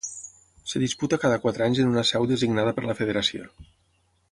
Es disputa cada quatre anys en una seu designada per la federació.